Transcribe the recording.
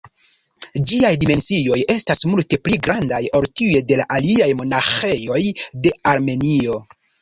Ĝiaj dimensioj estas multe pli grandaj ol tiuj de la aliaj monaĥejoj de Armenio.